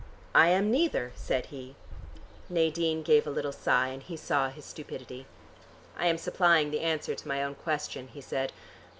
"I am neither," said he. Nadine gave a little sigh, and he saw his stupidity. "I am supplying the answer to my own question," he said.